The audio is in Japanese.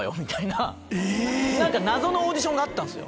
謎のオーディションがあったんですよ。